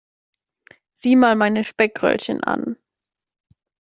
Sieh mal meine Speckröllchen an.